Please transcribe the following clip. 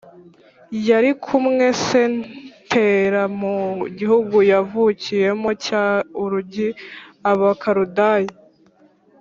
Yari kumwe na se tera mu gihugu yavukiyemo cya urig y abakaludaya